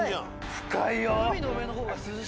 深いよ。